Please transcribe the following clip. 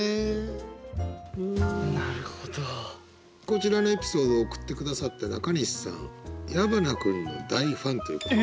こちらのエピソードを送って下さった中西さん矢花君の大ファンということで。